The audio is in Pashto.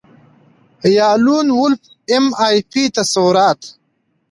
یا لون وولف ایم آی پي تصورات